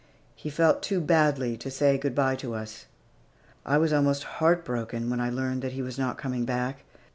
He felt too badly to say good bye to us. I was almost heart broken when I learned that he was not coming back.